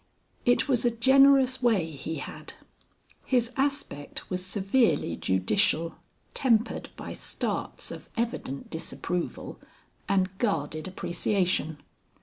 It was a generous way he had. His aspect was severely judicial, tempered by starts of evident disapproval and guarded appreciation.